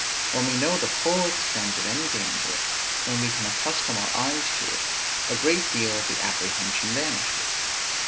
When we know the full extent of any danger, when we can accustom our eyes to it, a great deal of the apprehension vanishes.